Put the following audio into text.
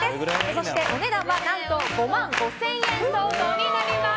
そして、お値段は何と５万５０００円相当になります。